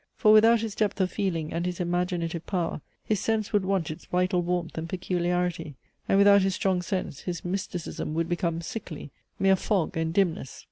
For without his depth of feeling and his imaginative power his sense would want its vital warmth and peculiarity; and without his strong sense, his mysticism would become sickly mere fog, and dimness!